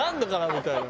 みたいな。